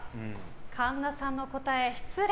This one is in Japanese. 神田さんの答え、失恋。